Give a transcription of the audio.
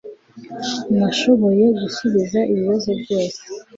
nashoboye gusubiza ibibazo byose